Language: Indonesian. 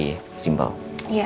iya aku juga mau ngomong